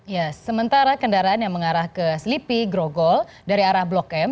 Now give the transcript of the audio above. ya sementara kendaraan yang mengarah ke selipi grogol dari arah blok m